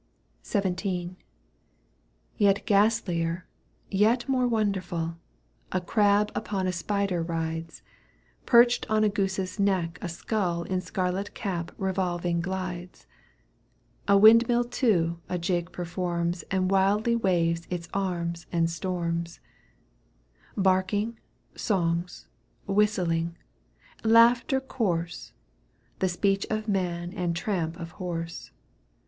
Digitized by VjOOQ 1С CANTO V. EUGENE ON^IGUINE. 137 XVII. Yet ghastlier, yet more wonderful, A crab upon a spider rides. Perched on a goose's neck a skull In scarlet cap revolving glides. A windmill too a jig performs And wildly waves its arms and storms ; Barking, songs, whistling, laughter coarse, The speech of man and tramp of horse.